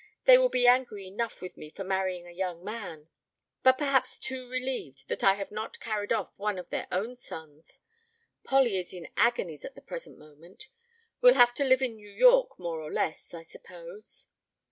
... They will be angry enough with me for marrying a young man, but perhaps too relieved that I have not carried off one of their own sons. ... Polly is in agonies at the present moment ... we'll have to live in New York more or less I suppose?"